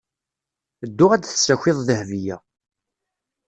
Ddu ad d-tessakiḍ Dahbiya.